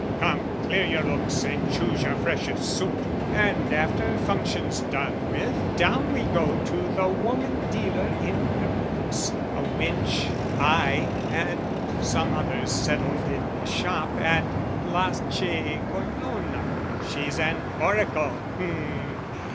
"Come, clear your looks, and choose your freshest suit, "And, after function's done with, down we go "To the woman dealer in perukes, a wench "I and some others settled in the shop "At Place Colonna: she's an oracle. Hmm!